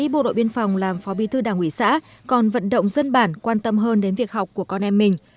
bộ đội biên phòng làm phó bí thư đảng ủy xã còn vận động dân bản quan tâm hơn đến việc học của con em mình